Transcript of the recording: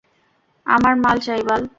আমার মাল চাই, বাল!